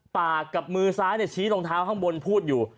ปากกับมือซ้ายชี้รองเท้าข้างบนพูดอยู่